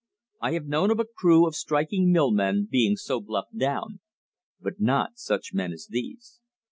I have known of a crew of striking mill men being so bluffed down, but not such men as these.